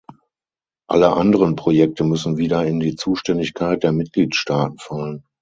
Alle anderen Projekte müssen wieder in die Zuständigkeit der Mitgliedstaaten fallen.